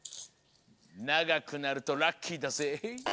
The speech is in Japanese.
ながくなるとラッキーだぜ。